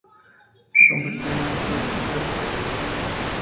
Se convirtió en actor de teatro y de cine.